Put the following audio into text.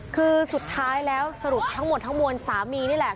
คือสุดท้ายแล้วสรุปทั้งหมดทั้งมวลสามีนี่แหละ